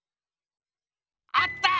あった！